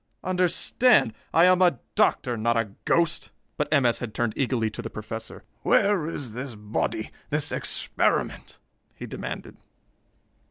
"Understand? I am a doctor not a ghost!" But M. S. had turned eagerly to the Professor. "Where is this body this experiment?" he demanded.